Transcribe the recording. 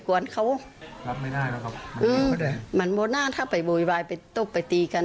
มันไม่น่าถ้าไปบ่อยบ่ายไปตบไปตีกัน